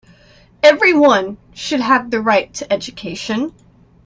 Everyone should have the right to education.